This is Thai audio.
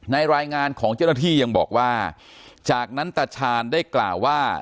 รายงานของเจ้าหน้าที่ยังบอกว่าจากนั้นตาชาญได้กล่าวว่า